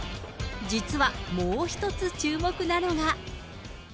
実は、もう一つ注目なのが。